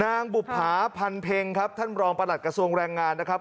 บุภาพันเพ็งครับท่านรองประหลัดกระทรวงแรงงานนะครับ